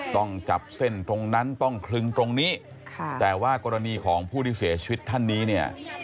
ต้องจับเส้นตรงนั้นต้องคลึงตรงนี้ค่ะแต่ว่ากรณีของผู้ที่เสียชีวิตท่านนี้เนี่ย